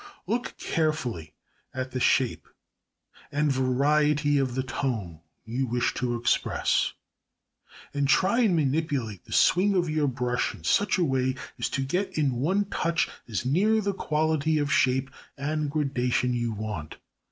Look carefully at the shape and variety of the tone you wish to express, and try and manipulate the swing of your brush in such a way as to get in one touch as near the quality of shape and gradation you want.